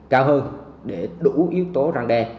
cao hơn để đủ yếu tố răng đe